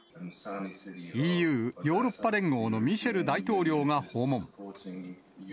ＥＵ・ヨーロッパ連合のミシェル大統領が訪問。